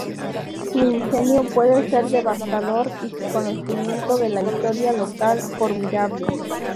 Su ingenio puede ser devastador y su conocimiento de la historia local, formidable".